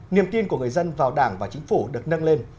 niềm tin của người dân vào đảng và chính phủ được nâng lên